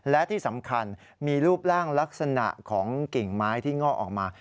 และที่สำคัญมีรูปร่างลักษณะของกิ่งไม้ที่ง่อออกมา